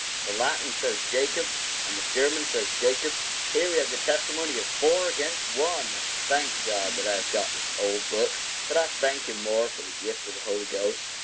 The Latin says Jacob and the German says Jacob; here we have the testimony of four against one. I thank God that I have got this old book; but I thank him more for the gift of the Holy Ghost.